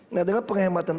nah dengan penghematan uang